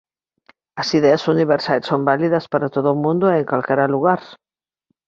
As ideas universais son válidas para todo o mundo e en calquera lugar.